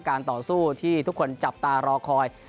ต่อสู้ที่ทุกคนจับตารอคอย